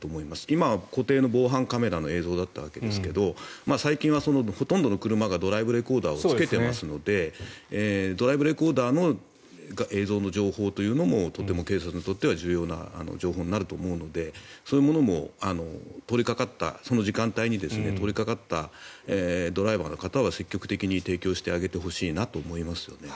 今は固定の防犯カメラの映像だったわけですが最近は、ほとんどの車がドライブレコーダーをつけていますのでドライブレコーダーの映像の情報というのもとても警察にとっては重要な情報になると思うのでそういうものも通りかかった、その時間帯にドライバーの方は積極的に提供してほしいなと思います。